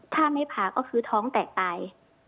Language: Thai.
ถ้าไม่ผ่าก็คือท้องแตกตาย